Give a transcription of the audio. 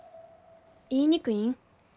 言いにくいん？